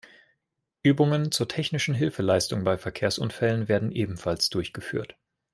Übungen zur technischen Hilfeleistung bei Verkehrsunfällen werden ebenfalls durchgeführt.